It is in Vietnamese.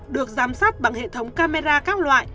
được giám sát bằng hệ thống camera các loại